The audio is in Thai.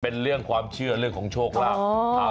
เป็นเรื่องความเชื่อเรื่องของโชคลาภ